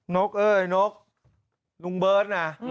นกเอ้ยนกลุงเบิร์ตนะ